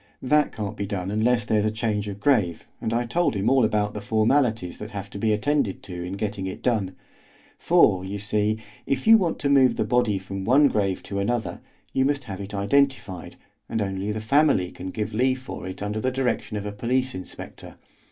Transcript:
That can't be done unless there is a change of grave, and I told him all about the formalities that have to be attended to in getting it done; for, you see, if you want to move a body from one grave to another you must have it identified, and only the family can give leave for it under the direction of a police inspector.